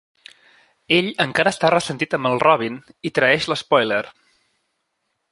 Ell encara està ressentit amb el Robin i traeix l'Spoiler.